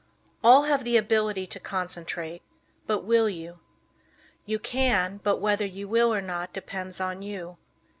All have the ability to concentrate, but will you? You can, but whether you will or not depends on you.